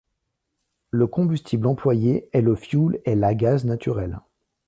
Le combustible employé est le fioul et la gaz naturel.